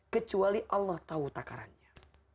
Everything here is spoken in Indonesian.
kecuali allah tahu takarannya